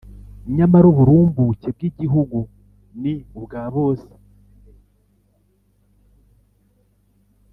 Nyamara uburumbuke bw igihugu ni ubwa bose